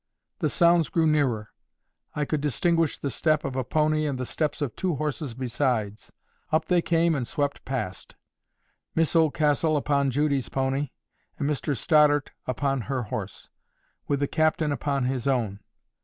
The sounds drew nearer. I could distinguish the step of a pony and the steps of two horses besides. Up they came and swept past—Miss Oldcastle upon Judy's pony, and Mr Stoddart upon her horse; with the captain upon his own.